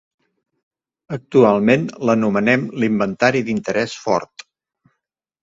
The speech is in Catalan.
Actualment l'anomenen l'Inventari d'interès fort.